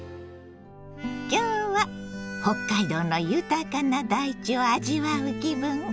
今日は北海道の豊かな大地を味わう気分。